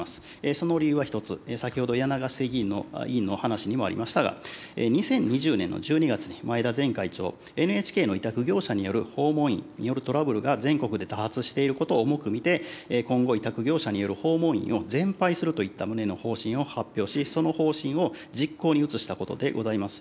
その理由は一つ、先ほど柳ヶ瀬委員の話にもありましたが、２０２０年の１２月に、前田前会長、ＮＨＫの委託業者による訪問員によるトラブルが全国で多発していることを重く見て、今後委託業者による訪問員を全廃するといった旨の方針を発表し、その方針を実行に移したことでございます。